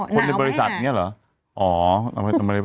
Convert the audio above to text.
คนในบริษัทเนี่ยเหรอ